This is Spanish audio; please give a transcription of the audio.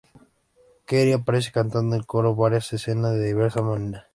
Keri aparece cantando el coro en varias escena de diversas maneras.